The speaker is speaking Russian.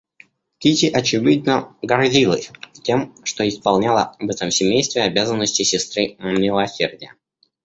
Кити, очевидно, гордилась тем, что исполняла в этом семействе обязанности сестры милосердия.